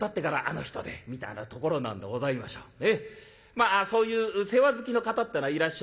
まあそういう世話好きの方ってのはいらっしゃいます。